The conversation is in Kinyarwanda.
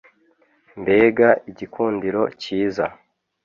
mbega igikundiro cyiza